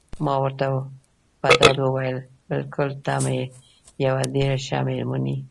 ما ورته په ډاډ وویل: بلکل ته مې یوه ډېره ښه میرمن یې.